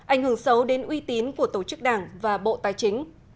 ảnh hưởng xấu đến uy tín của tổ chức đảng và bộ tài chính